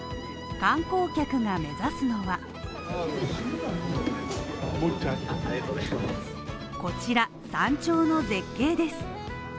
観光客が目指すのはこちら、山頂の絶景です。